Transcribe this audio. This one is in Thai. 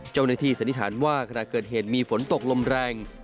เจ้าหน้าที่สันนิษฐานว่าขณะเกิดเห็นมีฝนตกลมแรง